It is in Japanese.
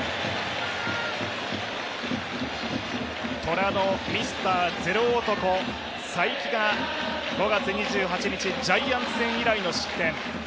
虎のミスターゼロ男・才木が５月２８日、ジャイアンツ戦以来の失点。